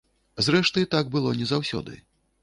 Зрэшты, так было не заўсёды.